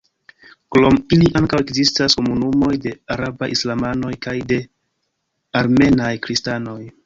Krom ili ankaŭ ekzistas komunumoj de arabaj islamanoj kaj de armenaj kristanoj.